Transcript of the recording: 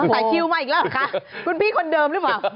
แต่คิวมาอีกแล้วเหรอคะคุณพี่คนเดิมหรือเปล่า